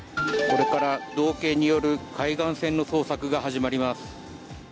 これから道警による海岸線の捜索が始まります。